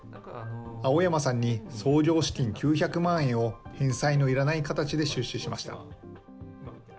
青山さんに創業資金９００万円を返済のいらない形で出資しました。